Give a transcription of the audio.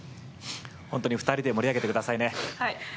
２人で盛り上げてくださいね。